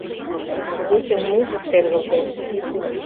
Тувечын музык шергылтеш.